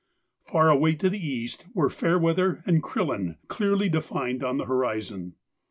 Far away to the east were Fairweather and Crillon, clearly defined on the horizon.